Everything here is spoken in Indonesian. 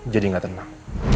jadi gak tenang